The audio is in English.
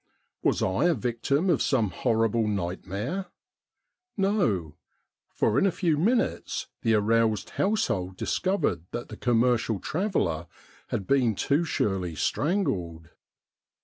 Was I a victim of some horrible night mare? No, for in a few minutes the aroused household discovered that the commercial traveller had been too surely strangled.